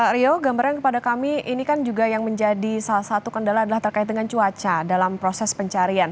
rio gambaran kepada kami ini kan juga yang menjadi salah satu kendala adalah terkait dengan cuaca dalam proses pencarian